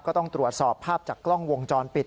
ก็ต้องตรวจสอบภาพจากกล้องวงจรปิด